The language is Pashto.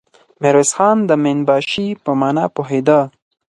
ميرويس خان د مين باشي په مانا پوهېده.